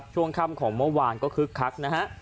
ช่วงค่ำของเมื่อวานก็คึกคักนะฮะ